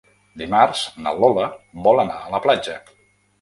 Dimarts na Lola vol anar a la platja.